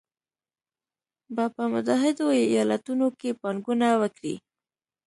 به په متحدو ایالتونو کې پانګونه وکړي